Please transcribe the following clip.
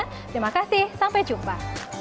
terima kasih sampai jumpa